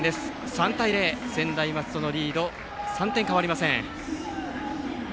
３対０と専大松戸のリード３点は変わりません。